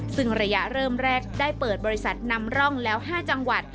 ซึ่งระยะเริ่มแรกได้เปิดบริษัทนำร่องแล้ว๕จังหวัด